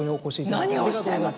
何をおっしゃいます！